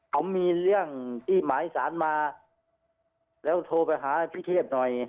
เขามีเรื่องที่หมายสารมาแล้วโทรไปหาพี่เทพหน่อย